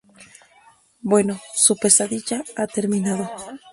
bueno, su pesadilla ha terminado